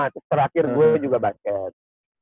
terakhir gue juga basket